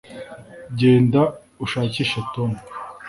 genda ushakishe tom